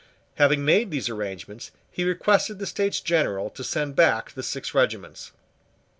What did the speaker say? Having made these arrangements, he requested the States General to send back the six regiments.